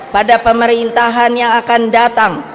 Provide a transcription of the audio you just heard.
pada pemerintahan yang akan datang